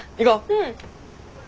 うん。